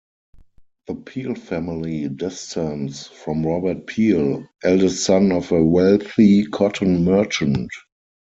The Peel family descends from Robert Peel, eldest son of a wealthy cotton merchant.